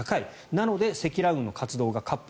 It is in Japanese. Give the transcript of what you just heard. なので積乱雲の活動が活発。